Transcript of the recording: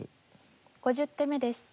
５０手目です。